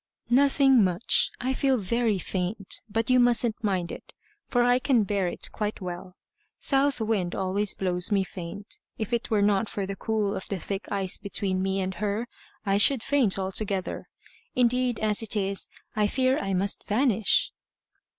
"Nothing much. I feel very faint. But you mustn't mind it, for I can bear it quite well. South Wind always blows me faint. If it were not for the cool of the thick ice between me and her, I should faint altogether. Indeed, as it is, I fear I must vanish."